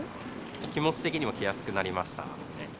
気持ち的にも来やすくなりま